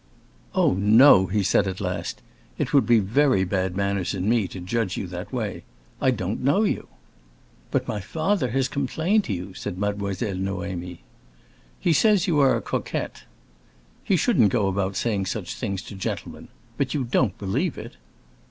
"Oh, no," he said at last; "it would be very bad manners in me to judge you that way. I don't know you." "But my father has complained to you," said Mademoiselle Noémie. "He says you are a coquette." "He shouldn't go about saying such things to gentlemen! But you don't believe it?"